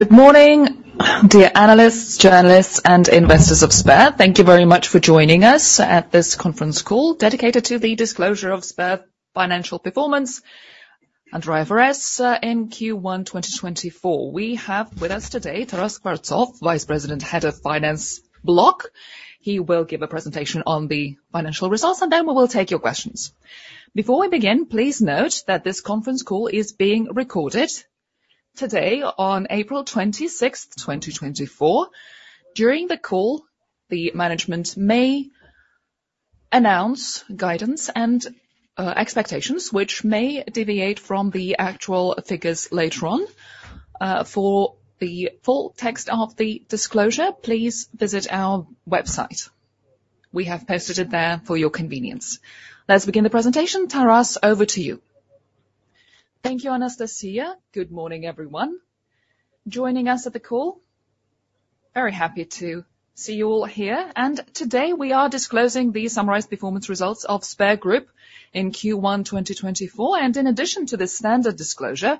Good morning, dear analysts, journalists, and Investors of Sber. Thank you very much for joining us at this conference call, dedicated to the disclosure of Sber financial performance and IFRS in Q1 2024. We have with us today Taras Skvortsov, Vice President, Head of Finance Block. He will give a presentation on the financial results, and then we will take your questions. Before we begin, please note that this conference call is being recorded today on April 26th, 2024. During the call, the management may announce guidance and expectations, which may deviate from the actual figures later on. For the full text of the disclosure, please visit our website. We have posted it there for your convenience. Let's begin the presentation. Taras, over to you. Thank you, Anastasia. Good morning, everyone. Joining us at the call, very happy to see you all here, and today, we are disclosing the summarized performance results of Sber Group in Q1, 2024, and in addition to this standard disclosure,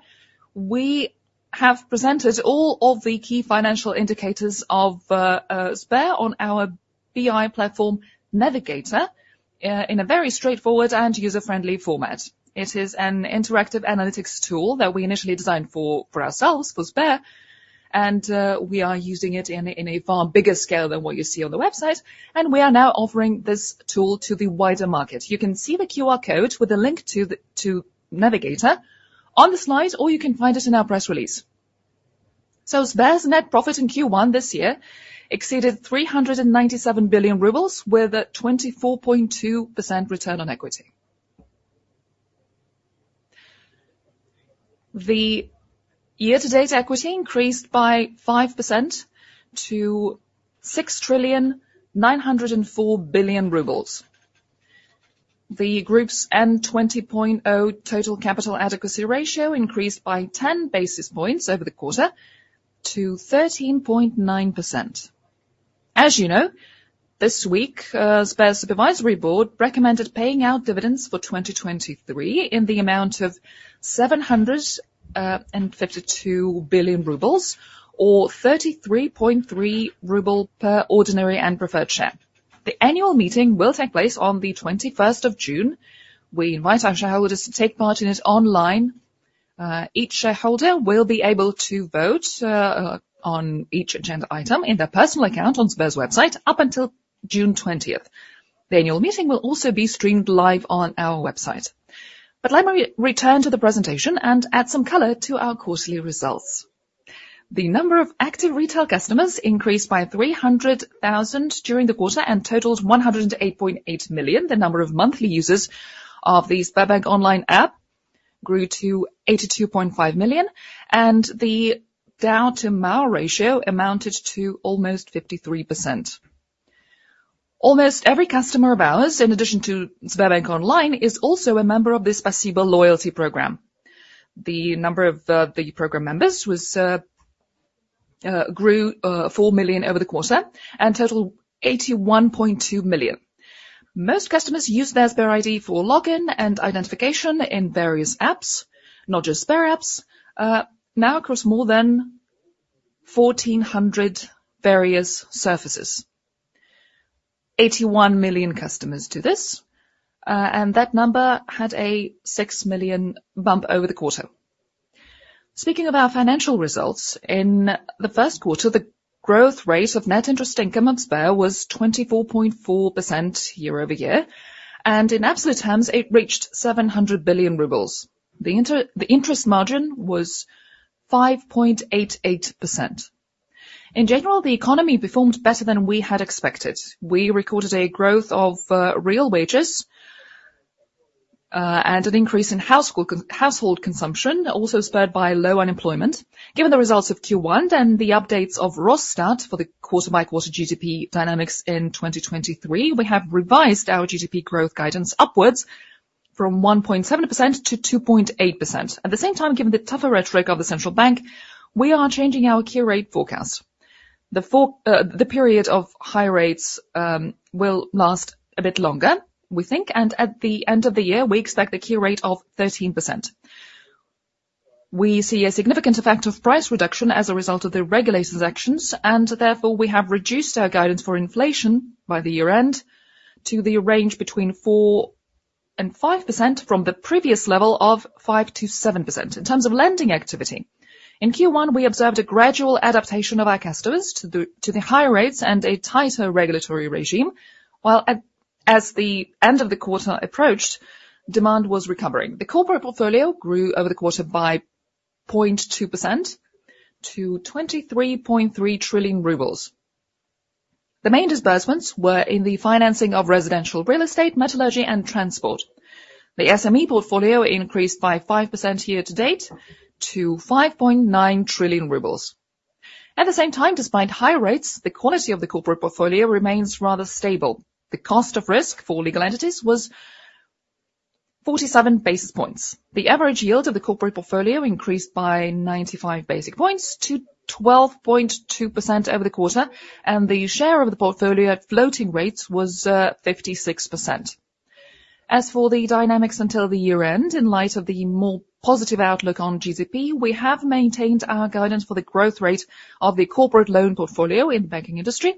we have presented all of the key financial indicators of Sber on our BI platform, Navigator, in a very straightforward and user-friendly format. It is an interactive analytics tool that we initially designed for ourselves, for Sber, and we are using it in a far bigger scale than what you see on the website, and we are now offering this tool to the wider market. You can see the QR code with a link to Navigator on the slide, or you can find it in our press release. Sber's net profit in Q1 this year exceeded 397 billion rubles, with a 24.2% return on equity. The year-to-date equity increased by 5% to 6,904 billion rubles. The Group's N20.0 total capital adequacy ratio increased by ten basis points over the quarter to 13.9%. As you know, this week, Sber Supervisory Board recommended paying out dividends for 2023 in the amount of 752 billion rubles or 33.3 ruble per ordinary and preferred share. The annual meeting will take place on the twenty-first of June. We invite our shareholders to take part in it online. Each shareholder will be able to vote on each agenda item in their personal account on Sber's website up until June twentieth. The annual meeting will also be streamed live on our website. But let me return to the presentation and add some color to our quarterly results. The number of active retail customers increased by 300,000 during the quarter and totaled 108.8 million. The number of monthly users of the Sberbank Online app grew to 82.5 million, and the DAU to MAU ratio amounted to almost 53%. Almost every customer of ours, in addition to Sberbank Online, is also a member of the Spasibo loyalty program. The number of the program members grew 4 million over the quarter and totaled 81.2 million. Most customers use their Sber ID for login and identification in various apps, not just Sber apps, now across more than 1,400 various services. 81 million customers do this, and that number had a 6 million bump over the quarter. Speaking of our financial results, in the first quarter, the growth rate of net interest income on Sber was 24.4% year-over-year, and in absolute terms, it reached 700 billion rubles. The interest margin was 5.88%. In general, the economy performed better than we had expected. We recorded a growth of real wages and an increase in household consumption, also spurred by low unemployment. Given the results of Q1 and the updates of Rosstat for the quarter-by-quarter GDP dynamics in 2023, we have revised our GDP growth guidance upwards from 1.7%-2.8%. At the same time, given the tougher rhetoric of the Central Bank, we are changing our key rate forecast. The period of high rates will last a bit longer, we think, and at the end of the year, we expect a key rate of 13%. We see a significant effect of price reduction as a result of the regulator's actions, and therefore, we have reduced our guidance for inflation by the year-end to the range between 4% and 5% from the previous level of 5%-7%. In terms of lending activity, in Q1, we observed a gradual adaptation of our customers to the higher rates and a tighter regulatory regime, while, as the end of the quarter approached, demand was recovering. The corporate portfolio grew over the quarter by 0.2% to 23.3 trillion rubles. The main disbursements were in the financing of residential real estate, metallurgy, and transport. The SME portfolio increased by 5% year to date to 5.9 trillion rubles. At the same time, despite high rates, the quality of the corporate portfolio remains rather stable. The cost of risk for legal entities was 47 basis points. The average yield of the corporate portfolio increased by 95 basis points to 12.2% over the quarter, and the share of the portfolio at floating rates was 56%. As for the dynamics until the year-end, in light of the more positive outlook on GDP, we have maintained our guidance for the growth rate of the corporate loan portfolio in banking industry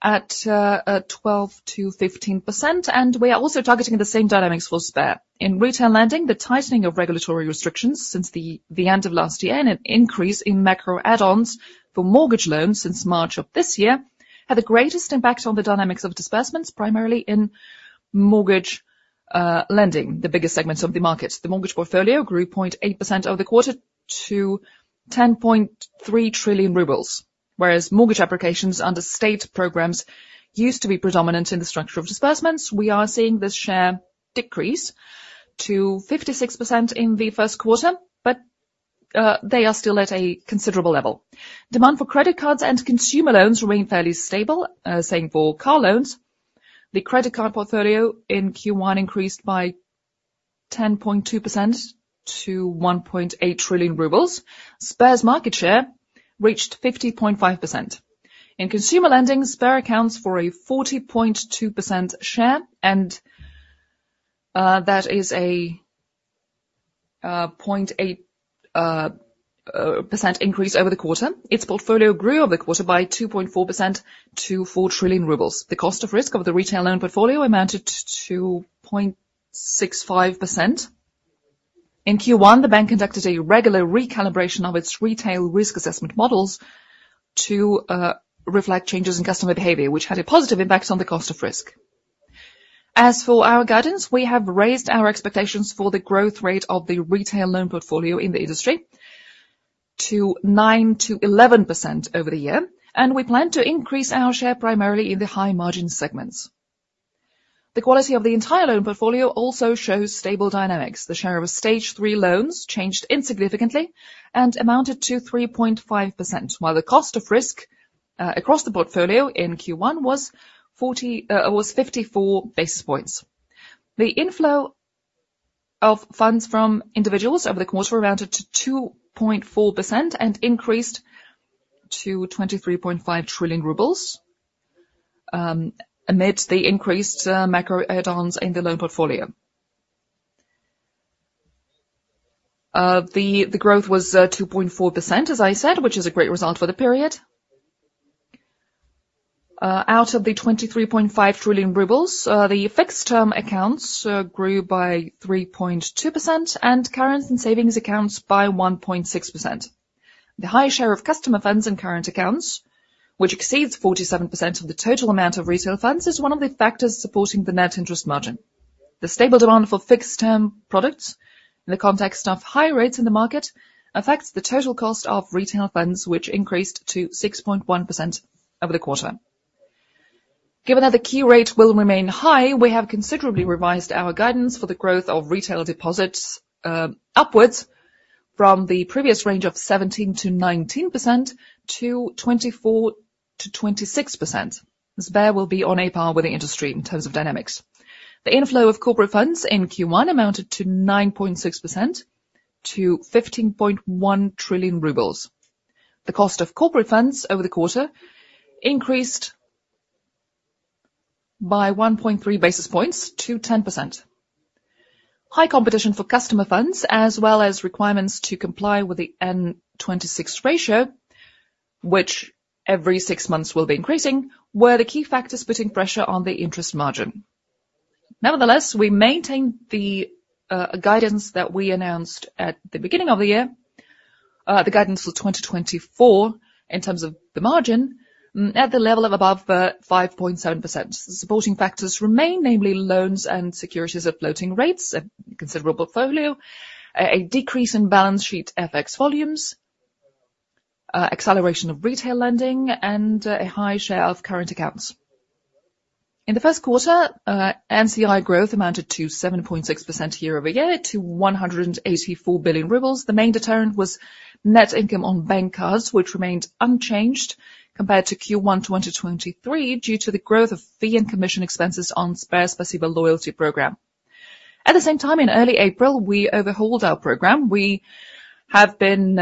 at 12%-15%, and we are also targeting the same dynamics for Sber. In retail lending, the tightening of regulatory restrictions since the end of last year and an increase in macro add-ons for mortgage loans since March of this year had the greatest impact on the dynamics of disbursements, primarily in mortgage lending, the biggest segments of the market. The mortgage portfolio grew 0.8% over the quarter to 10.3 trillion rubles, whereas mortgage applications under state programs used to be predominant in the structure of disbursements. We are seeing this share decrease to 56% in the first quarter, but they are still at a considerable level. Demand for credit cards and consumer loans remain fairly stable, same for car loans. The credit card portfolio in Q1 increased by 10.2% to 1.8 trillion rubles. Sber's market share reached 50.5%. In consumer lending, Sber accounts for a 40.2% share, and that is a 0.8% increase over the quarter. Its portfolio grew over the quarter by 2.4% to 4 trillion rubles. The cost of risk of the retail loan portfolio amounted to 0.65%. In Q1, the bank conducted a regular recalibration of its retail risk assessment models to reflect changes in customer behavior, which had a positive impact on the cost of risk. As for our guidance, we have raised our expectations for the growth rate of the retail loan portfolio in the industry to 9%-11% over the year, and we plan to increase our share primarily in the high margin segments. The quality of the entire loan portfolio also shows stable dynamics. The share of Stage III loans changed insignificantly and amounted to 3.5%, while the cost of risk across the portfolio in Q1 was 54 basis points. The inflow of funds from individuals over the course amounted to 2.4% and increased to 23.5 trillion rubles amid the increased macro add-ons in the loan portfolio. The growth was 2.4%, as I said, which is a great result for the period. Out of the 23.5 trillion rubles, the fixed-term accounts grew by 3.2%, and current and savings accounts by 1.6%. The high share of customer funds in current accounts, which exceeds 47% of the total amount of retail funds, is one of the factors supporting the net interest margin. The stable demand for fixed-term products in the context of high rates in the market, affects the total cost of retail funds, which increased to 6.1% over the quarter. Given that the key rate will remain high, we have considerably revised our guidance for the growth of retail deposits, upwards from the previous range of 17%-19%-24%-26%. Sber will be on a par with the industry in terms of dynamics. The inflow of corporate funds in Q1 amounted to 9.6% to 15.1 trillion rubles. The cost of corporate funds over the quarter increased by 1.3 basis points to 10%. High competition for customer funds, as well as requirements to comply with the N26 ratio, which every six months will be increasing, were the key factors putting pressure on the interest margin. Nevertheless, we maintain the guidance that we announced at the beginning of the year, the guidance for 2024, in terms of the margin, at the level of above 5.7%. The supporting factors remain, namely, loans and securities at floating rates, a considerable portfolio, a decrease in balance sheet FX volumes, acceleration of retail lending, and a high share of current accounts. In the first quarter, NCI growth amounted to 7.6% year-over-year to 184 billion rubles. The main deterrent was net income on bank cards, which remained unchanged compared to Q1 2023, due to the growth of fee and commission expenses on SberSpasibo loyalty program. At the same time, in early April, we overhauled our program. We have been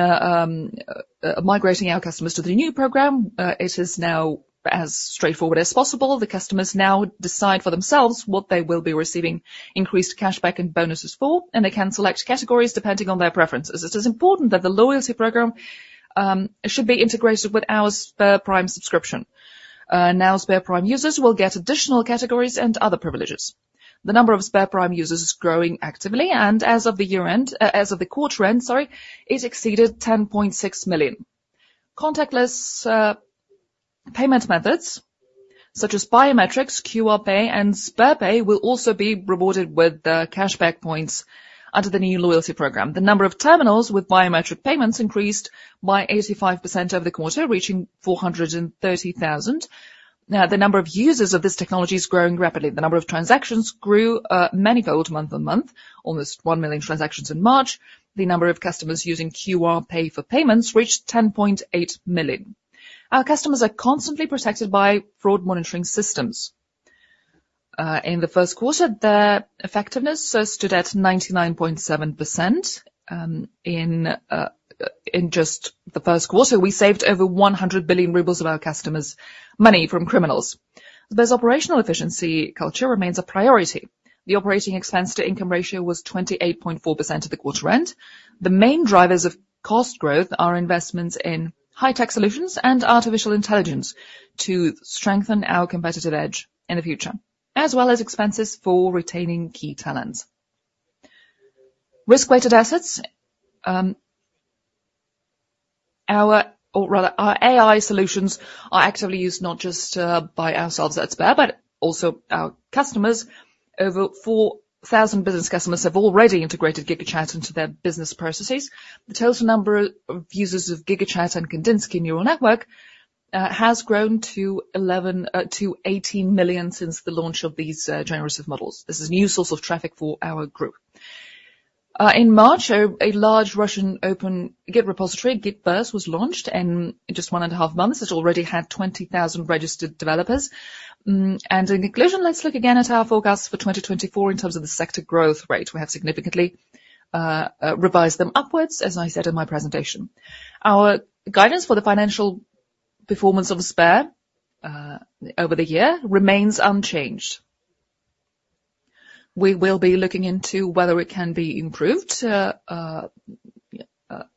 migrating our customers to the new program. It is now as straightforward as possible. The customers now decide for themselves what they will be receiving increased cashback and bonuses for, and they can select categories depending on their preferences. It is important that the loyalty program should be integrated with our SberPrime subscription. Now SberPrime users will get additional categories and other privileges. The number of SberPrime users is growing actively, and as of the quarter end, it exceeded 10.6 million. Contactless payment methods such as biometrics, QR Pay, and SberPay will also be rewarded with cashback points under the new loyalty program. The number of terminals with biometric payments increased by 85% over the quarter, reaching 430,000. Now, the number of users of this technology is growing rapidly. The number of transactions grew manifold month-on-month, almost 1 million transactions in March. The number of customers using QR Pay for payments reached 10.8 million. Our customers are constantly protected by fraud monitoring systems. In the first quarter, their effectiveness stood at 99.7%, in just the first quarter, we saved over 100 billion rubles of our customers' money from criminals. Their operational efficiency culture remains a priority. The operating expense to income ratio was 28.4% at the quarter end. The main drivers of cost growth are investments in high-tech solutions and artificial intelligence to strengthen our competitive edge in the future, as well as expenses for retaining key talents. Risk-weighted assets, our or rather, our AI solutions are actively used not just by ourselves at Sber, but also our customers. Over 4,000 business customers have already integrated GigaChat into their business processes. The total number of users of GigaChat and Kandinsky neural network has grown to 18 million since the launch of these generative models. This is a new source of traffic for our group. In March, a large Russian open Git repository, GitVerse, was launched, and in just one and half months, it already had 20,000 registered developers. In conclusion, let's look again at our forecast for 2024 in terms of the sector growth rate. We have significantly revised them upwards, as I said in my presentation. Our guidance for the financial performance of Sber over the year remains unchanged. We will be looking into whether it can be improved,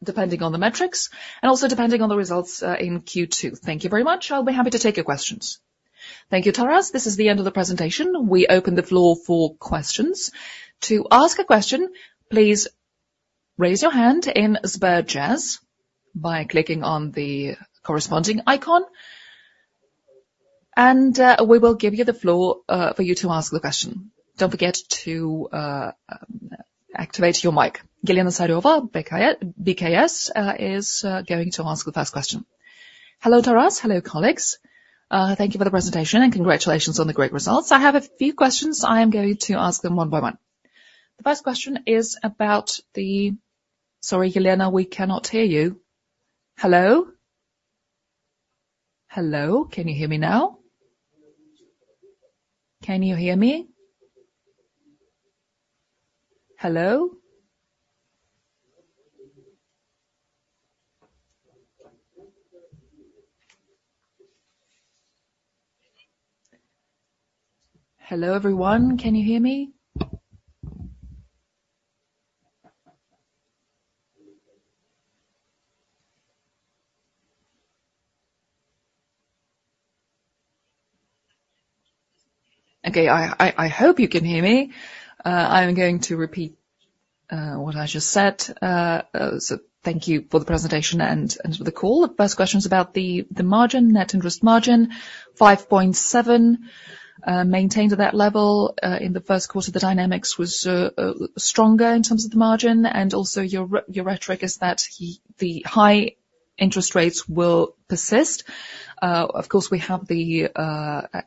depending on the metrics and also depending on the results in Q2. Thank you very much. I'll be happy to take your questions. Thank you, Taras. This is the end of the presentation. We open the floor for questions. To ask a question, please raise your hand in SberJazz by clicking on the corresponding icon, and we will give you the floor for you to ask the question. Don't forget to activate your mic. Elena Tsareva, BCS, is going to ask the first question. Hello, Taras. Hello, colleagues. Thank you for the presentation, and congratulations on the great results. I have a few questions. I am going to ask them one by one. The first question is about the. Sorry, Elena, we cannot hear you. Hello? Hello, can you hear me now? Can you hear me? Hello? Hello, everyone. Can you hear me? Okay, I hope you can hear me. I'm going to repeat what I just said. So thank you for the presentation and for the call. The first question is about the margin, net interest margin, 5.7, maintained at that level. In the first quarter, the dynamics was stronger in terms of the margin, and also your rhetoric is that the high interest rates will persist. Of course, we have the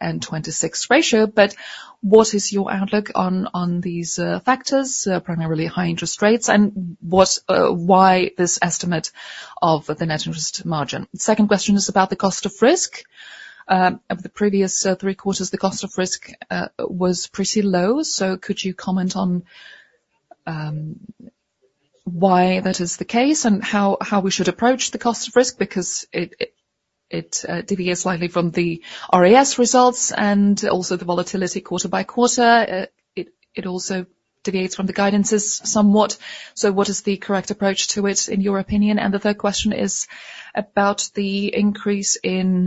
N26 ratio, but what is your outlook on these factors, primarily high interest rates, and what, why this estimate of the net interest margin? Second question is about the cost of risk. Over the previous three quarters, the cost of risk was pretty low, so could you comment on why that is the case and how we should approach the cost of risk? Because it deviates slightly from the RAS results and also the volatility quarter by quarter. It also deviates from the guidances somewhat. So what is the correct approach to it, in your opinion? And the third question is about the increase in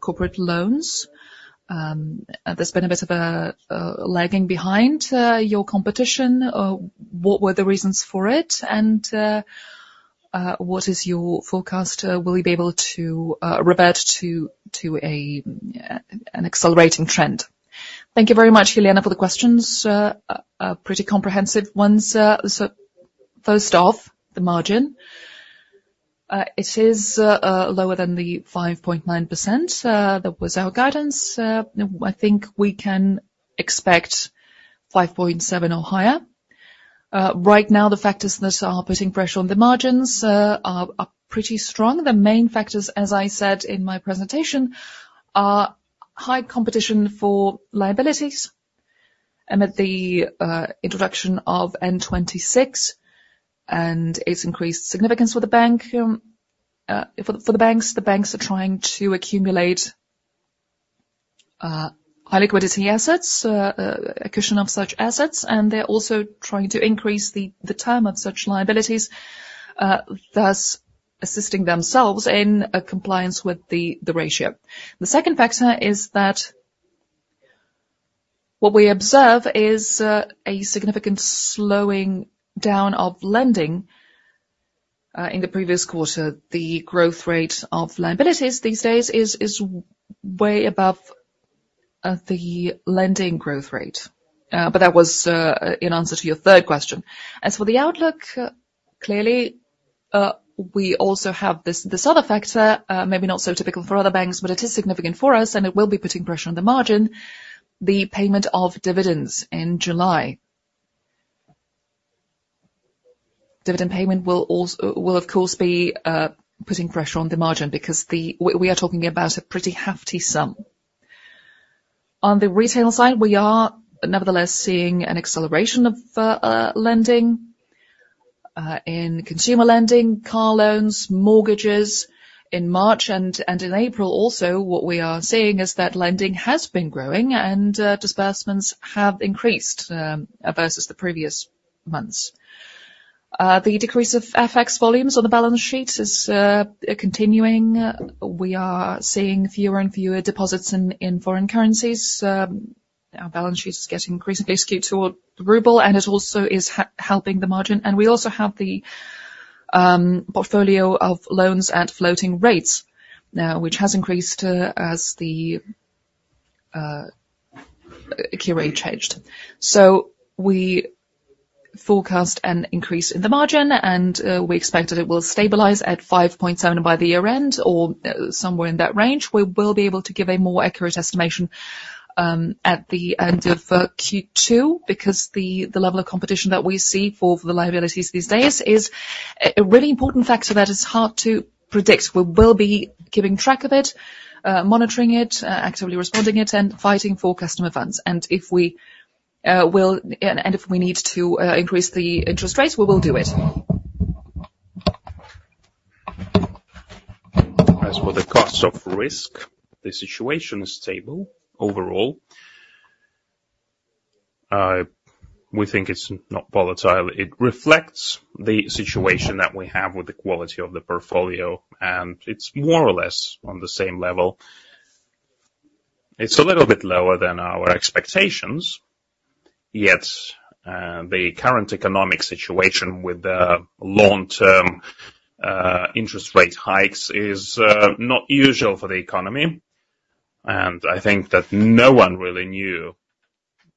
corporate loans. There's been a bit of a lagging behind your competition. What were the reasons for it, and what is your forecast? Will you be able to revert to an accelerating trend? Thank you very much, Elena, for the questions. Pretty comprehensive ones. So first off, the margin. It is lower than the 5.9%. That was our guidance. I think we can expect 5.7% or higher. Right now, the factors that are putting pressure on the margins are pretty strong. The main factors, as I said in my presentation, are high competition for liabilities, amid the introduction of N26 and its increased significance for the bank. For the banks, the banks are trying to accumulate high liquidity assets, a cushion of such assets, and they're also trying to increase the term of such liabilities, thus assisting themselves in compliance with the ratio. The second factor is that what we observe is a significant slowing down of lending. In the previous quarter, the growth rate of liabilities these days is way above the lending growth rate. But that was in answer to your third question. As for the outlook, clearly, we also have this other factor, maybe not so typical for other banks, but it is significant for us, and it will be putting pressure on the margin, the payment of dividends in July. Dividend payment will also, of course, be putting pressure on the margin because we are talking about a pretty hefty sum. On the retail side, we are nevertheless seeing an acceleration of lending in consumer lending, car loans, mortgages in March and in April also. What we are seeing is that lending has been growing and disbursements have increased versus the previous months. The decrease of FX volumes on the balance sheet is continuing. We are seeing fewer and fewer deposits in foreign currencies. Our balance sheet is getting increasingly skewed toward the ruble, and it also is helping the margin. We also have the portfolio of loans at floating rates now, which has increased as the key rate changed. We forecast an increase in the margin, and we expect that it will stabilize at 5.7 by the year end or somewhere in that range. We will be able to give a more accurate estimation at the end of Q2, because the level of competition that we see for the liabilities these days is a really important factor that is hard to predict. We will be keeping track of it, monitoring it, actively responding it, and fighting for customer funds. If we need to increase the interest rates, we will do it. As for the costs of risk, the situation is stable overall. We think it's not volatile. It reflects the situation that we have with the quality of the portfolio, and it's more or less on the same level. It's a little bit lower than our expectations, yet, the current economic situation with the long-term, interest rate hikes is not usual for the economy. And I think that no one really knew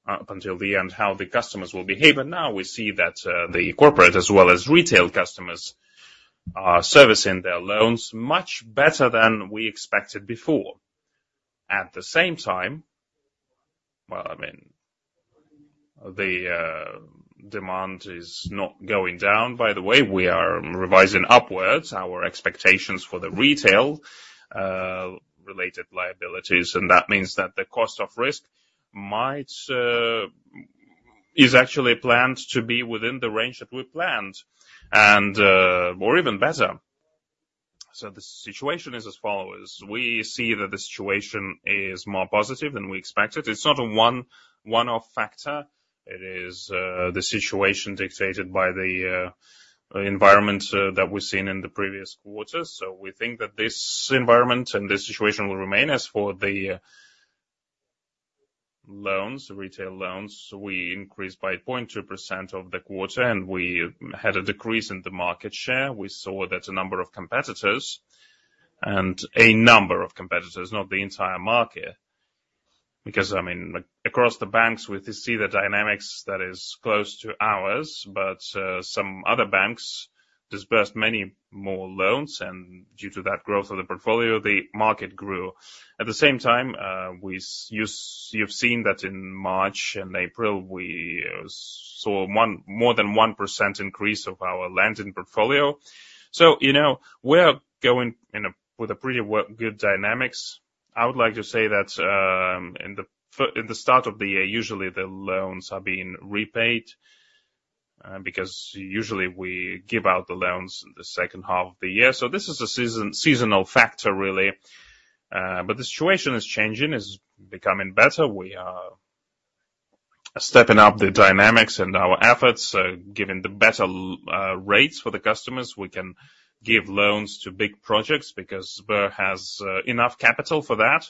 up until the end how the customers will behave. But now we see that, the corporate as well as retail customers are servicing their loans much better than we expected before. At the same time, well, I mean, the demand is not going down. By the way, we are revising upwards our expectations for the retail related liabilities, and that means that the cost of risk is actually planned to be within the range that we planned and, or even better. So the situation is as follows: we see that the situation is more positive than we expected. It's not a one-off factor, it is, the situation dictated by the, environment, that we've seen in the previous quarters. So we think that this environment and this situation will remain. As for the loans, retail loans, we increased by 0.2% of the quarter, and we had a decrease in the market share. We saw that a number of competitors, not the entire market... Because, I mean, across the banks, we see the dynamics that is close to ours, but some other banks disbursed many more loans, and due to that growth of the portfolio, the market grew. At the same time, you've seen that in March and April, we saw more than 1% increase of our lending portfolio. So, you know, we are going in a with a pretty well, good dynamics. I would like to say that in the start of the year, usually the loans are being repaid because usually we give out the loans in the second half of the year. So this is a seasonal factor, really. But the situation is changing, it's becoming better. We are stepping up the dynamics and our efforts, giving the better rates for the customers. We can give loans to big projects because Sber has enough capital for that.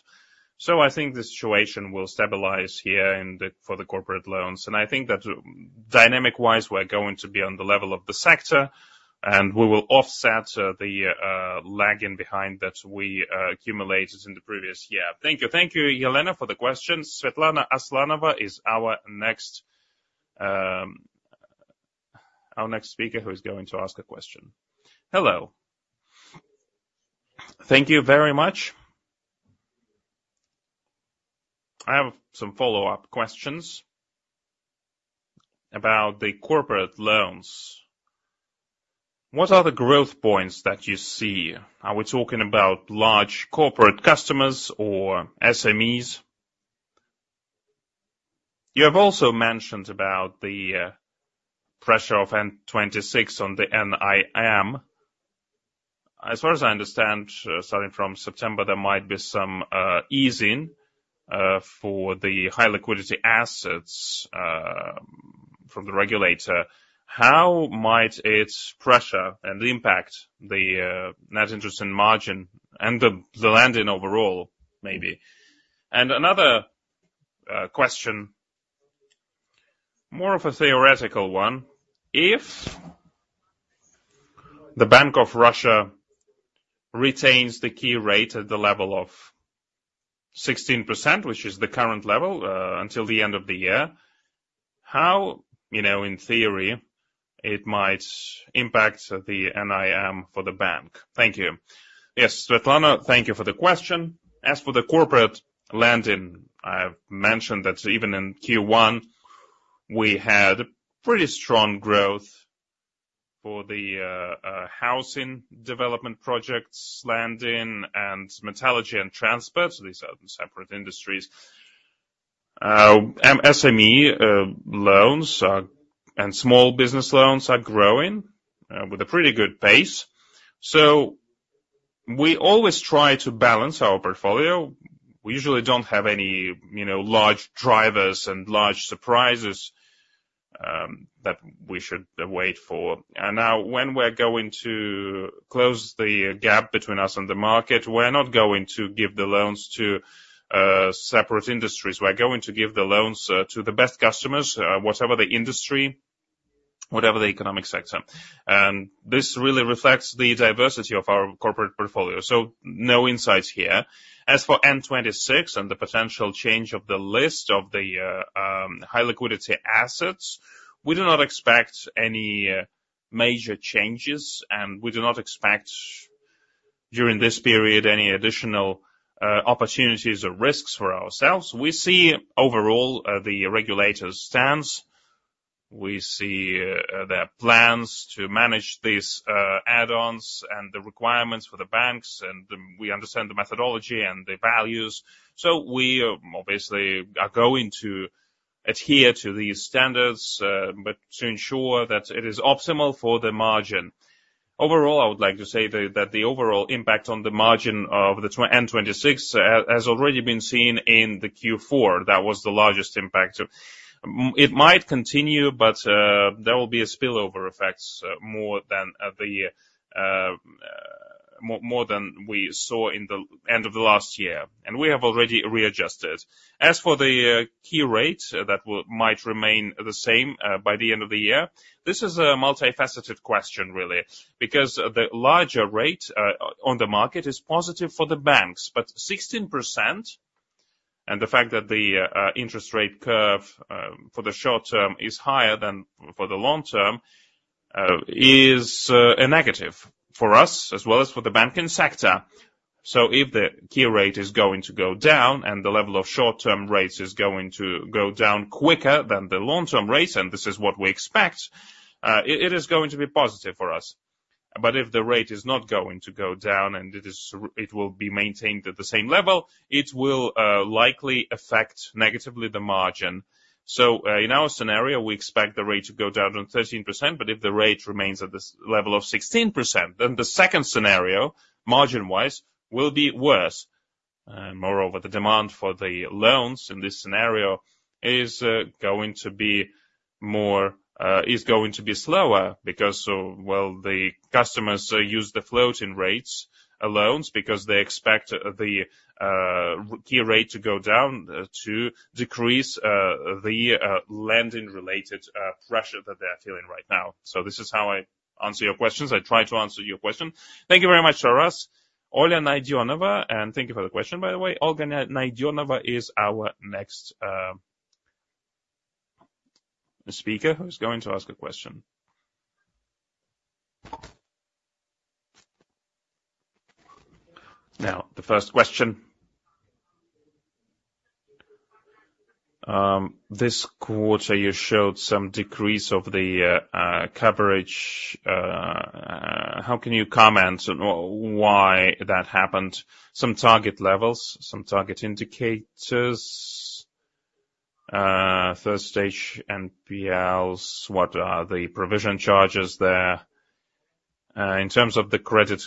So I think the situation will stabilize here in the for the corporate loans. And I think that dynamic wise, we're going to be on the level of the sector, and we will offset the lagging behind that we accumulated in the previous year. Thank you. Thank you, Elena, for the question. Svetlana Aslanova is our next speaker who is going to ask a question. Hello. Thank you very much. I have some follow-up questions about the corporate loans. What are the growth points that you see? Are we talking about large corporate customers or SMEs? You have also mentioned about the pressure of N26 on the NIM. As far as I understand, starting from September, there might be some easing for the high liquidity assets from the regulator. How might it pressure and impact the net interest and margin and the lending overall, maybe? And another question, more of a theoretical one: if the Bank of Russia retains the key rate at the level of 16%, which is the current level, until the end of the year, how, you know, in theory, it might impact the NIM for the bank? Thank you. Yes, Svetlana, thank you for the question. As for the corporate lending, I've mentioned that even in Q1, we had pretty strong growth for the housing development projects, lending, and metallurgy and transport. These are separate industries.... SME loans are, and small business loans are growing with a pretty good pace. So we always try to balance our portfolio. We usually don't have any, you know, large drivers and large surprises that we should wait for. And now, when we're going to close the gap between us and the market, we're not going to give the loans to separate industries. We're going to give the loans to the best customers, whatever the industry, whatever the economic sector. And this really reflects the diversity of our corporate portfolio, so no insights here. As for N26 and the potential change of the list of the high liquidity assets, we do not expect any major changes, and we do not expect, during this period, any additional opportunities or risks for ourselves. We see overall the regulator's stance. We see their plans to manage these add-ons and the requirements for the banks, and we understand the methodology and the values. So we obviously are going to adhere to these standards, but to ensure that it is optimal for the margin. Overall, I would like to say that the overall impact on the margin of 2026 has already been seen in the Q4. That was the largest impact. It might continue, but there will be spillover effects more than we saw in the end of the last year, and we have already readjusted. As for the key rate that might remain the same by the end of the year, this is a multifaceted question really, because the larger rate on the market is positive for the banks. But 16%, and the fact that the interest rate curve for the short term is higher than for the long term, is a negative for us as well as for the banking sector. So if the key rate is going to go down, and the level of short-term rates is going to go down quicker than the long-term rates, and this is what we expect, it is going to be positive for us. But if the rate is not going to go down and it will be maintained at the same level, it will likely affect negatively the margin. So, in our scenario, we expect the rate to go down to 13%, but if the rate remains at the level of 16%, then the second scenario, margin-wise, will be worse. Moreover, the demand for the loans in this scenario is going to be slower because the customers use the floating rates loans because they expect the key rate to go down to decrease the lending related pressure that they are feeling right now. So this is how I answer your questions. I try to answer your question. Thank you very much, Taras. Olga Naydenova, and thank you for the question, by the way. Olga Naydenova is our next speaker who's going to ask a question. Now, the first question. This quarter, you showed some decrease of the coverage. How can you comment on why that happened? Some target levels, some target indicators, first stage NPLs, what are the provision charges there? In terms of the credit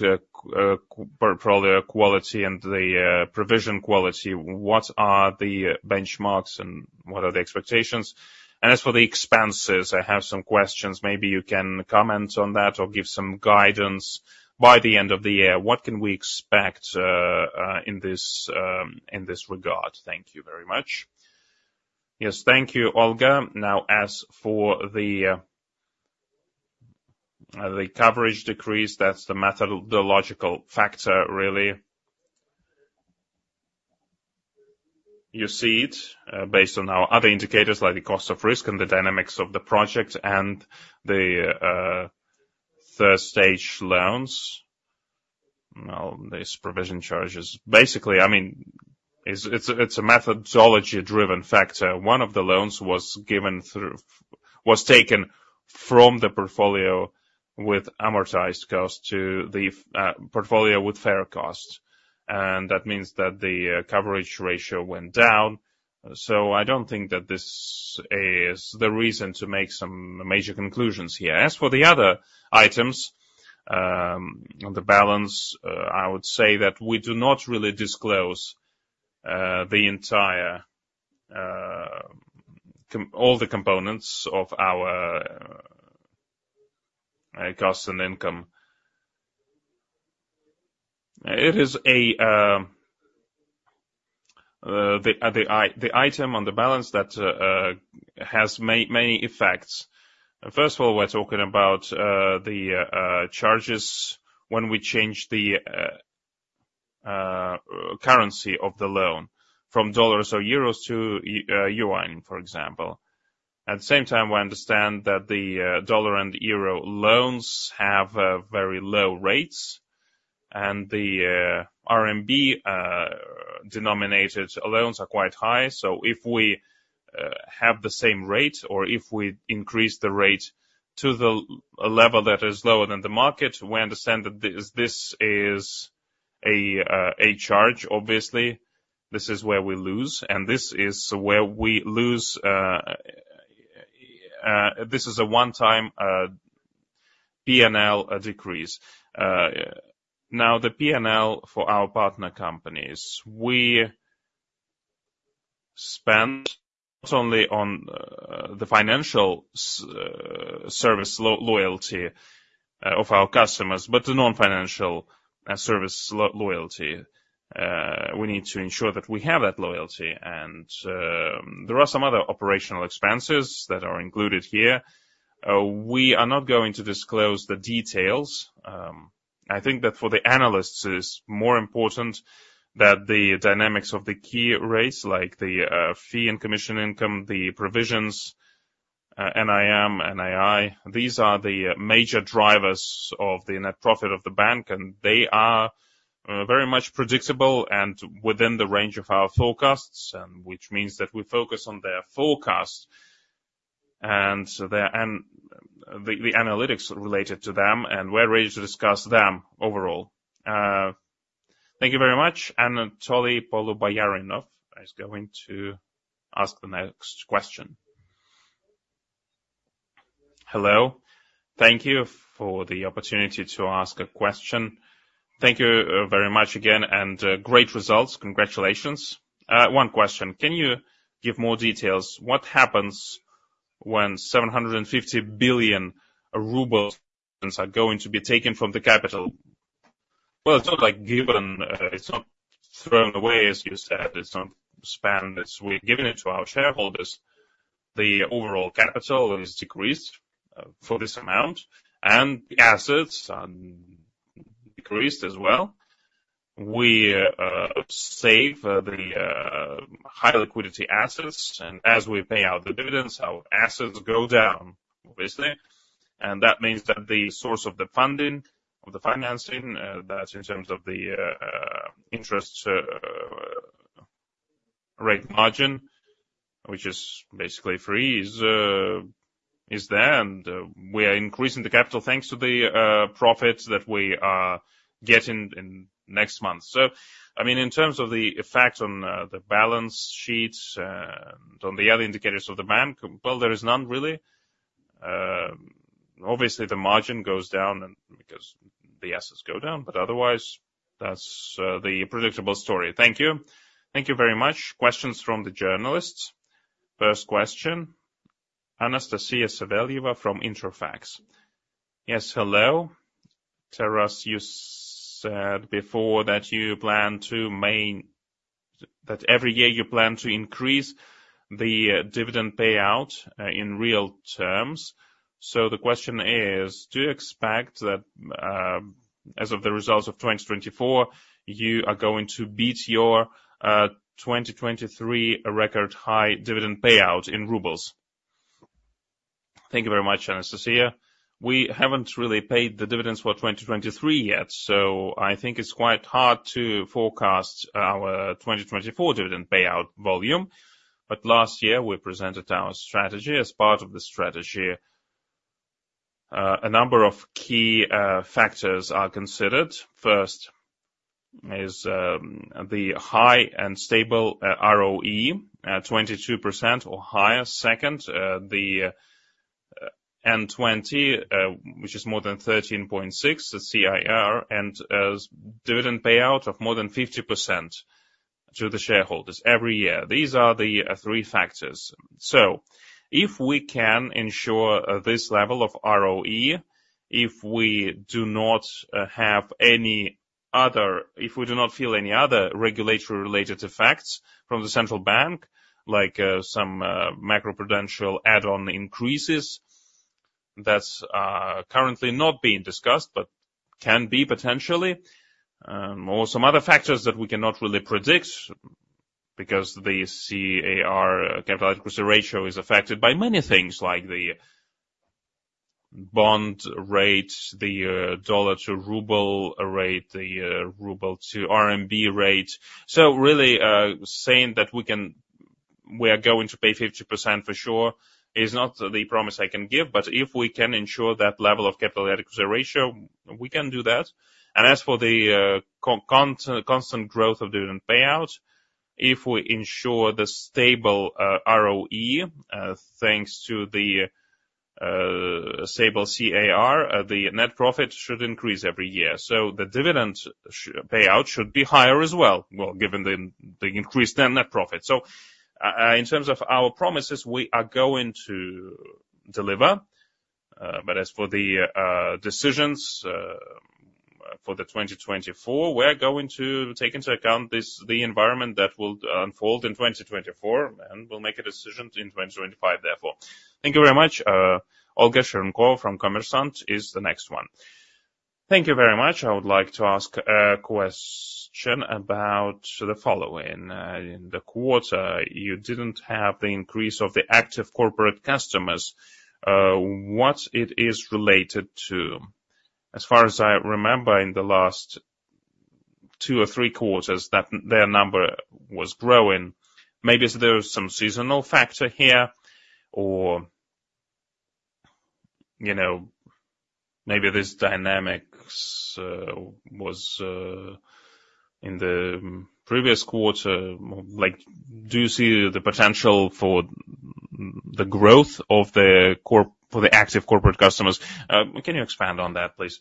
portfolio quality and the provision quality, what are the benchmarks, and what are the expectations? And as for the expenses, I have some questions. Maybe you can comment on that or give some guidance. By the end of the year, what can we expect in this regard? Thank you very much. Yes, thank you, Olga. Now, as for the coverage decrease, that's the methodological factor, really. You see it based on our other indicators, like the cost of risk and the dynamics of the project and the first stage loans. Now, these provision charges, basically, I mean, it's a methodology-driven factor. One of the loans was taken from the portfolio with amortized cost to the portfolio with fair cost, and that means that the coverage ratio went down. So I don't think that this is the reason to make some major conclusions here. As for the other items on the balance, I would say that we do not really disclose all the components of our cost and income. It is the item on the balance that has many effects. First of all, we're talking about the charges when we change the currency of the loan from dollars or euros to yuan, for example. At the same time, we understand that the dollar and euro loans have very low rates, and the RMB denominated loans are quite high. So if we have the same rate, or if we increase the rate to the level that is lower than the market, we understand that this is a charge, obviously, this is where we lose, and this is where we lose, this is a one-time PNL decrease. Now, the PNL for our partner companies, we spend not only on the financial service loyalty of our customers, but the non-financial service loyalty. We need to ensure that we have that loyalty, and there are some other operational expenses that are included here. We are not going to disclose the details. I think that for the analysts, it's more important that the dynamics of the key rates, like the fee and commission income, the provisions, NIM, NII, these are the major drivers of the net profit of the bank, and they are very much predictable and within the range of our forecasts, which means that we focus on their forecast and so the analytics related to them, and we're ready to discuss them overall. Thank you very much. Anatoly Poloboyarinov is going to ask the next question. Hello. Thank you for the opportunity to ask a question. Thank you very much again, and great results. Congratulations. One question: Can you give more details? What happens when 750 billion rubles are going to be taken from the capital? Well, it's not like given, it's not thrown away, as you said. It's not spent, it's we're giving it to our shareholders. The overall capital is decreased for this amount, and the assets are decreased as well. We save the high liquidity assets, and as we pay out the dividends, our assets go down, obviously. And that means that the source of the funding, of the financing, that's in terms of the interest rate margin, which is basically freeze, is there, and we are increasing the capital, thanks to the profits that we are getting in next month. So, I mean, in terms of the effect on the balance sheets on the other indicators of the bank, well, there is none really. Obviously, the margin goes down and because the assets go down, but otherwise, that's the predictable story. Thank you. Thank you very much. Questions from the journalists. First question, Anastasia Savelyeva from Interfax. Yes, hello. Taras, you said before that you plan to maintain that every year you plan to increase the dividend payout in real terms. So the question is, do you expect that as of the results of 2024, you are going to beat your 2023 record high dividend payout in rubles? Thank you very much, Anastasia. We haven't really paid the dividends for 2023 yet, so I think it's quite hard to forecast our 2024 dividend payout volume. But last year, we presented our strategy. As part of the strategy, a number of key factors are considered. First is the high and stable ROE, 22% or higher. Second, the N20, which is more than 13.6, the CIR, and a dividend payout of more than 50% to the shareholders every year. These are the three factors. So if we can ensure this level of ROE, if we do not have any other... If we do not feel any other regulatory-related effects from the Central Bank, like some macroprudential add-on increases, that's currently not being discussed, but can be potentially. Or some other factors that we cannot really predict because the CAR, capital ratio, is affected by many things, like the bond rate, the dollar to ruble rate, the ruble to RMB rate. So really, saying that we are going to pay 50% for sure is not the promise I can give, but if we can ensure that level of capital ratio, we can do that. And as for the constant growth of dividend payout, if we ensure the stable ROE thanks to the stable CAR, the net profit should increase every year. So the dividend payout should be higher as well, well, given the increased net profit. So in terms of our promises, we are going to deliver, but as for the decisions for 2024, we're going to take into account the environment that will unfold in 2024, and we'll make a decision in 2025, therefore. Thank you very much. Olga Shcherbakova from Kommersant is the next one. Thank you very much. I would like to ask a question about the following. In the quarter, you didn't have the increase of the active corporate customers. What it is related to? As far as I remember, in the last two or three quarters, that their number was growing. Maybe is there some seasonal factor here. You know, maybe this dynamics was in the previous quarter, like, do you see the potential for the growth of the active corporate customers? Can you expand on that, please?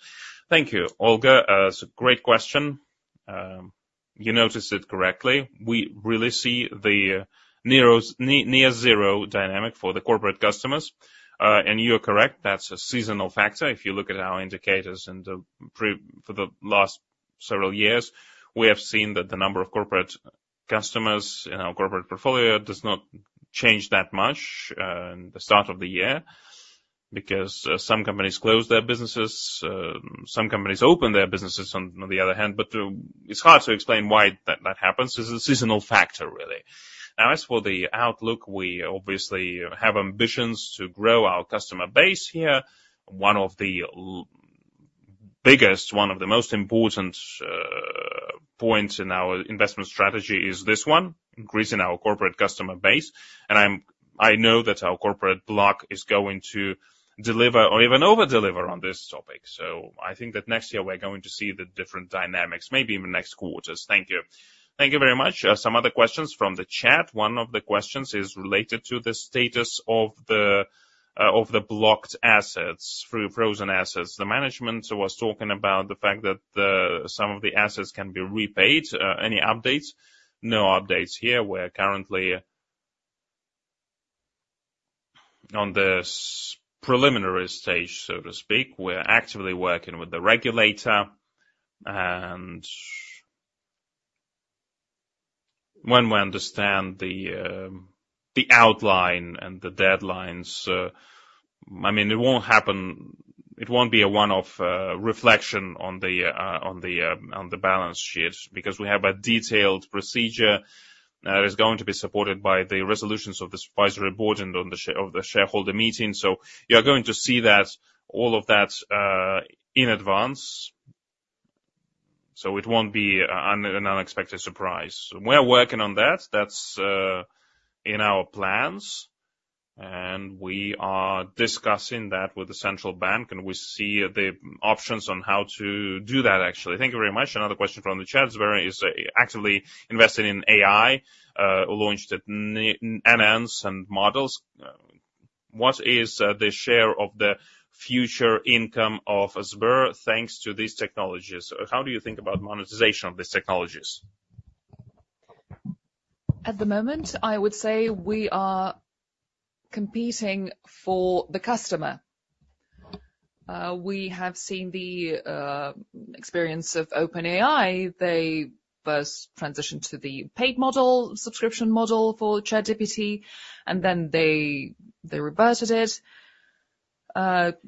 Thank you, Olga. It's a great question. You noticed it correctly. We really see the narrow, near zero dynamic for the corporate customers. And you're correct, that's a seasonal factor. If you look at our indicators for the last several years, we have seen that the number of corporate customers in our corporate portfolio does not change that much in the start of the year, because some companies close their businesses, some companies open their businesses on, on the other hand. But it's hard to explain why that, that happens. It's a seasonal factor, really. Now, as for the outlook, we obviously have ambitions to grow our customer base here. One of the biggest, one of the most important points in our investment strategy is this one, increasing our corporate customer base. And I know that our corporate block is going to deliver or even over-deliver on this topic. So I think that next year we're going to see the different dynamics, maybe even next quarters. Thank you. Thank you very much. Some other questions from the chat. One of the questions is related to the status of the blocked assets, frozen assets. The management was talking about the fact that some of the assets can be repaid. Any updates? No updates here. We're currently on this preliminary stage, so to speak. We're actively working with the regulator, and when we understand the outline and the deadlines, I mean, it won't be a one-off reflection on the balance sheet, because we have a detailed procedure that is going to be supported by the resolutions of the supervisory board and of the shareholder meeting. So you're going to see that, all of that, in advance, so it won't be an unexpected surprise. We're working on that. That's in our plans, and we are discussing that with the Central Bank, and we see the options on how to do that, actually. Thank you very much. Another question from the chat. Sber is actively investing in AI, launched NN and models. What is the share of the future income of Sber, thanks to these technologies? How do you think about monetization of these technologies? At the moment, I would say we are competing for the customer. We have seen the experience of OpenAI. They first transitioned to the paid model, subscription model for ChatGPT, and then they reverted it,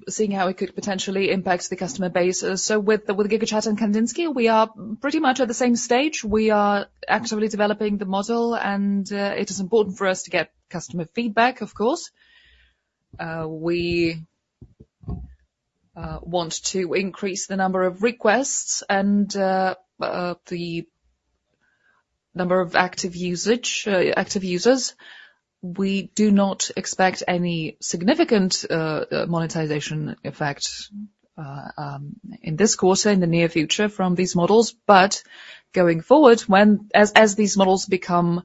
seeing how it could potentially impact the customer base. So with GigaChat and Kandinsky, we are pretty much at the same stage. We are actively developing the model, and it is important for us to get customer feedback, of course. We want to increase the number of requests and the number of active usage, active users. We do not expect any significant monetization effect in this quarter, in the near future from these models, but going forward, when as these models become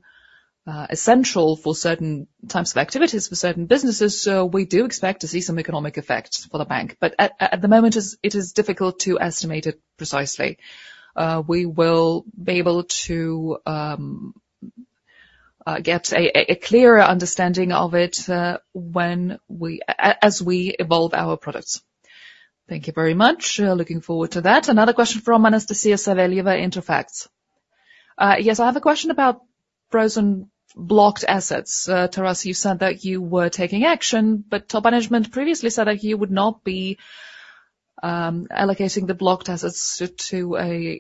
essential for certain types of activities, for certain businesses, we do expect to see some economic effect for the bank. But at the moment, it is difficult to estimate it precisely. We will be able to get a clearer understanding of it when as we evolve our products. Thank you very much. Looking forward to that. Another question from Anastasia Savelyeva, Interfax. Yes, I have a question about frozen blocked assets. Taras, you said that you were taking action, but top management previously said that you would not be allocating the blocked assets to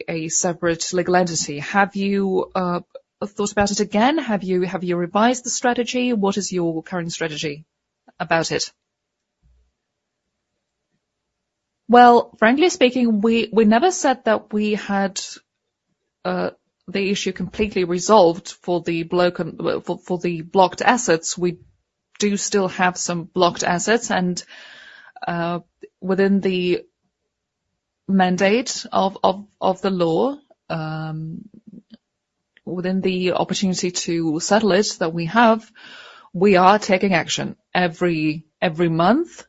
a separate legal entity. Have you thought about it again? Have you revised the strategy? What is your current strategy about it? Well, frankly speaking, we never said that we had the issue completely resolved for the block and for the blocked assets. We do still have some blocked assets and within the mandate of the law, within the opportunity to settle it that we have, we are taking action. Every month,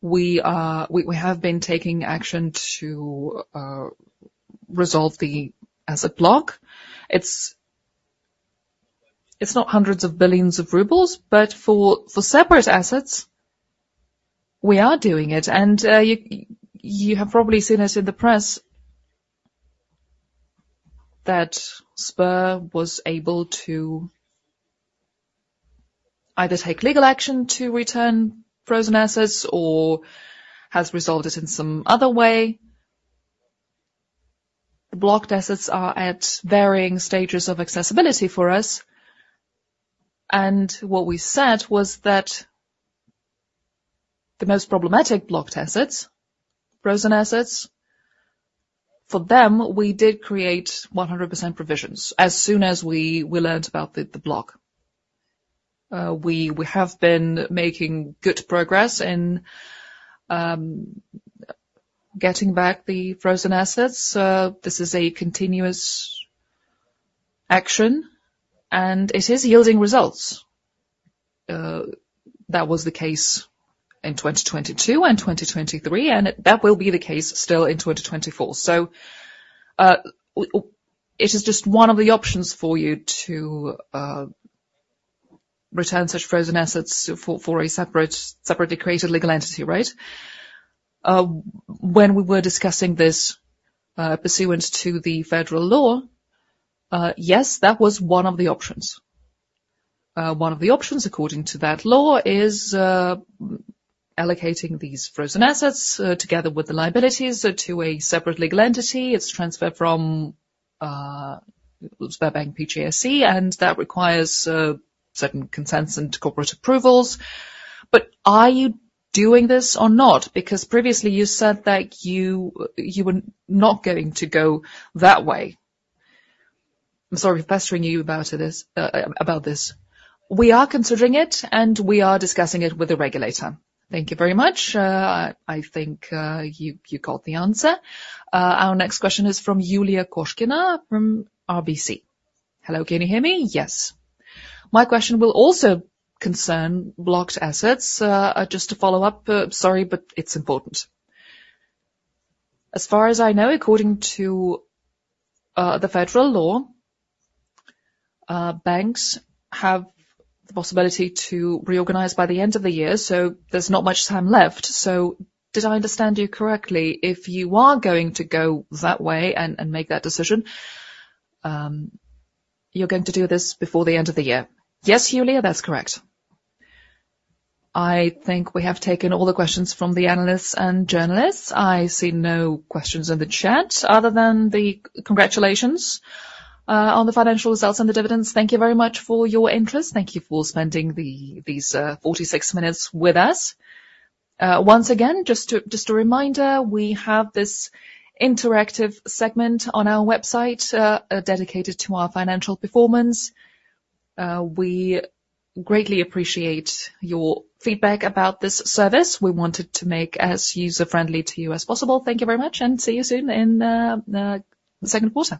we have been taking action to resolve the asset block. It's not hundreds of billions of RUB, but for separate assets, we are doing it. You have probably seen us in the press that Sber was able to either take legal action to return frozen assets or has resolved it in some other way. The blocked assets are at varying stages of accessibility for us, and what we said was that the most problematic blocked assets, frozen assets. For them, we did create 100% provisions as soon as we learned about the block. We have been making good progress in getting back the frozen assets. This is a continuous action, and it is yielding results. That was the case in 2022 and 2023, and that will be the case still in 2024. So, it is just one of the options for you to return such frozen assets for a separate, separately created legal entity, right? When we were discussing this, pursuant to the federal law, yes, that was one of the options. One of the options, according to that law, is allocating these frozen assets together with the liabilities to a separate legal entity. It's transferred from Sberbank PJSC, and that requires certain consents and corporate approvals. But are you doing this or not? Because previously you said that you were not going to go that way. I'm sorry for pestering you about this. We are considering it, and we are discussing it with the regulator. Thank you very much. I think you got the answer. Our next question is from Yulia Koshkina from RBC. Hello, can you hear me? Yes. My question will also concern blocked assets. Just to follow up, sorry, but it's important. As far as I know, according to the federal law, banks have the possibility to reorganize by the end of the year, so there's not much time left. So did I understand you correctly? If you are going to go that way and make that decision, you're going to do this before the end of the year? Yes, Yulia, that's correct. I think we have taken all the questions from the analysts and journalists. I see no questions in the chat other than the congratulations on the financial results and the dividends. Thank you very much for your interest. Thank you for spending these 46 minutes with us. Once again, just a reminder, we have this interactive segment on our website dedicated to our financial performance. We greatly appreciate your feedback about this service. We wanted to make as user-friendly to you as possible. Thank you very much, and see you soon in the second quarter.